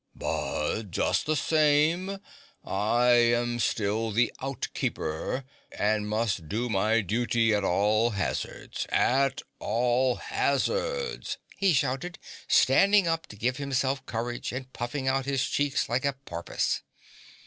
"But just the same, I am still the outkeeper and must do my duty at all hazards. AT ALL HAZARDS!" he shouted, standing up to give himself courage and puffing out his cheeks like a porpoise.